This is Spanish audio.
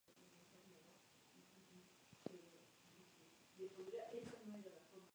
Luego fue contratado por Star Max, una compañía china de espectáculos.